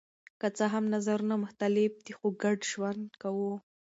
که څه هم نظرونه مختلف دي خو ګډ ژوند کوو.